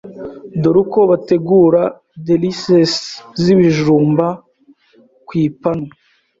Dore uko bategura delices z’ibijumba ku ipanu